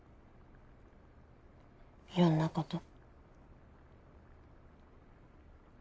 いろんなこと。